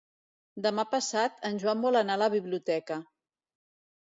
Demà passat en Joan vol anar a la biblioteca.